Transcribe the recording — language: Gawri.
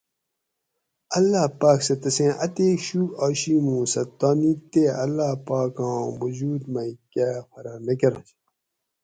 اللّٰہ پاۤک سہ تسیں اتیک شوک آشی مو سہ تانی تے اللّٰہ پاک آں وجود می کہۤ فرق نہ کرش